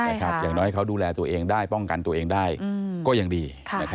อย่างน้อยเขาดูแลตัวเองได้ป้องกันตัวเองได้ก็ยังดี